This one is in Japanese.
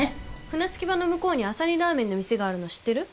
船着き場の向こうにあさりラーメンの店があるの知ってる？